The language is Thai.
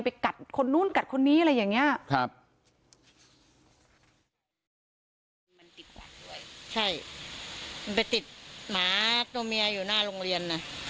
กัดคนนู้นกัดคนนี้อะไรอย่างเงี้ยครับ